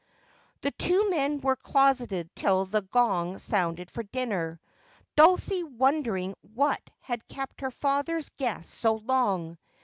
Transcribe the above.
The two men were closeted till the gong sounded for dinner, Dulcie wondering what had kept her father's guest so long.